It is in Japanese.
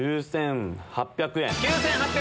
９８００円。